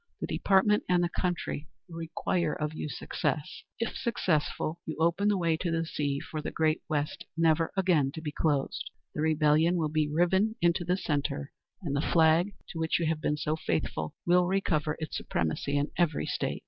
The Department and the country require of you success.... If successful, you open the way to the sea for the Great West, never again to be closed. The rebellion will be riven in the centre, and the flag, to which you have been so faithful, will recover its supremacy in every State."